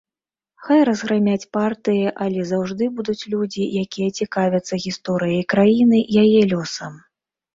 Хай разграмяць партыі, але заўжды будуць людзі, якія цікавяцца гісторыяй краіны, яе лёсам.